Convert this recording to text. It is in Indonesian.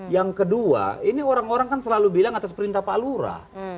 yang kedua ini orang orang kan selalu bilang atas perintah pak lura